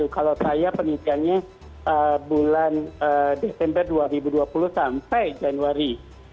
kalau saya penelitiannya bulan desember dua ribu dua puluh sampai januari dua ribu dua puluh satu